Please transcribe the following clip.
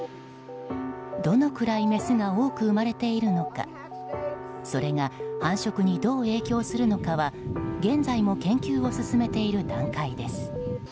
どのくらいメスが多く生まれているのかそれが繁殖にどう影響するのかは現在も研究を進めている段階です。